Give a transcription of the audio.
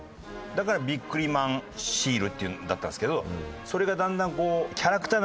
だからビックリマンシールっていうのだったんですけどそれがだんだんキャラクターになった。